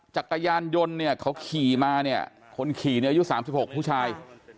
จักรยานยนต์เนี่ยเขาขี่มาเนี่ยคนขี่เนี่ยอายุ๓๖ผู้ชาย